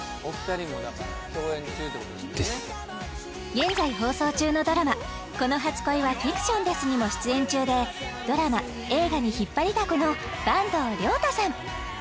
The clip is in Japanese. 現在放送中のドラマ「この初恋はフィクションです」にも出演中でドラマ映画に引っ張りだこの坂東龍汰さん